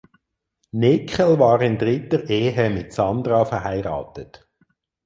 Nickel war in dritter Ehe mit Sandra verheiratet.